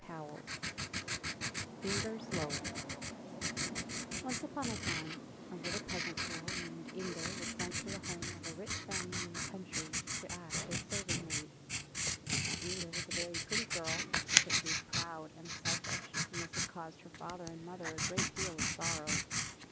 20 ] INGEll'S LOAF O NCE upon a time a little peasant girl named Inger was sent to the home of a rich family in the country to act as serv ing maid. Now Inger was a veiy pretty girl, but she was proud and selfish, and this had caused her father and mother a great deal of sorrow.